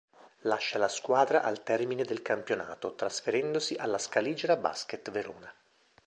Lascia la squadra al termine del campionato, trasferendosi alla Scaligera Basket Verona.